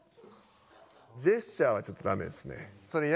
ジェスチャーはちょっとダメですね。